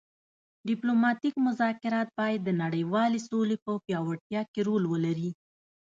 ډیپلوماتیک مذاکرات باید د نړیوالې سولې په پیاوړتیا کې رول ولري